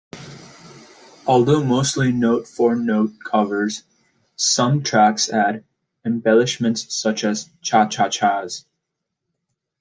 Although mostly note-for-note covers, some tracks add embellishments such as "cha-cha-chas".